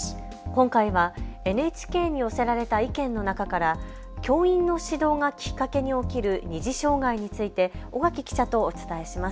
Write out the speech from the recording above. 今回はＮＨＫに寄せられた意見の中から教員の指導がきっかけに起きる二次障害について尾垣記者とお伝えします。